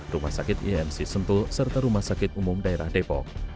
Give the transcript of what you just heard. rumah sakit imc sentul serta rumah sakit umum daerah depok